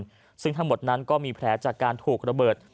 ซึ่งทั้งหมดนั้นก็มีแผลจากการถูกระเบิด